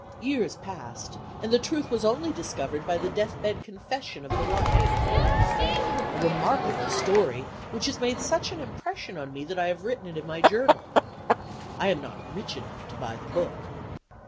Years passed; and the truth was only discovered by the death bed confession of the wife. A remarkable story, which has made such an impression on me that I have written it in my Journal. I am not rich enough to buy the book.